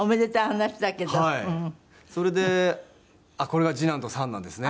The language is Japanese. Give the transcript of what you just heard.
それであっこれが次男と三男ですね。